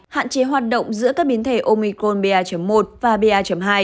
hạn chế hoạt động giữa các biến thể omicron ba một và ba hai